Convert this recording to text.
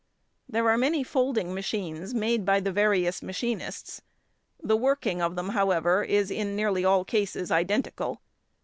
_—There are many folding machines made by the various machinists; the working of them, however, is in nearly all cases identical.